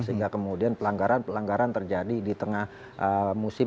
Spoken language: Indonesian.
sehingga kemudian pelanggaran pelanggaran terjadi di tengah musim